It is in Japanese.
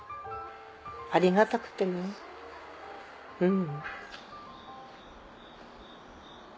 ありがたくてねうん。